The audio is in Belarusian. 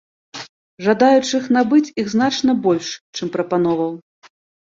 Жадаючых набыць іх значна больш, чым прапановаў.